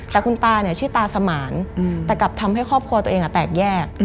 แต่คุณตาเนี่ยชื่อตาสมานแต่กลับทำให้ครอบครัวตัวเองแตกแยก